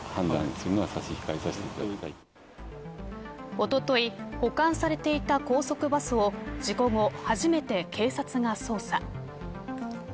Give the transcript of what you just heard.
おととい保管されていた高速バスを事故後、初めて警察が捜査。